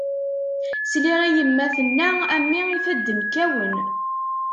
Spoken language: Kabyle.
Sliɣ i yemma tenna, a mmi ifadden kkawen.